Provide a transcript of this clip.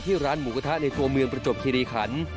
ร้านหมูกระทะในตัวเมืองประจบคิริขัน